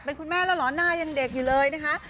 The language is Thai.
เป็นคุณแม่แล้วเหรอหน้ายังเด็กอยู่เลยนะคะ